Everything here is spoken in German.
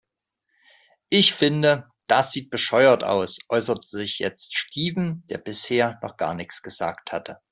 Ich finde, das sieht bescheuert aus, äußerte sich jetzt Steven, der bisher noch gar nichts gesagt hatte.